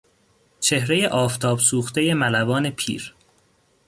چهرهی آفتاب سوختهی ملوان پیر